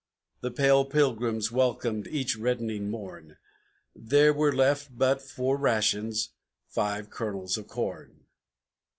The pale Pilgrims welcomed each reddening morn; There were left but for rations Five Kernels of Corn.